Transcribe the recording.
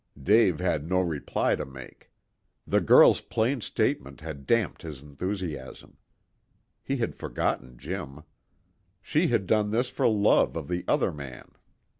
Dave had no reply to make. The girl's plain statement had damped his enthusiasm. He had forgotten Jim. She had done this for love of the other man.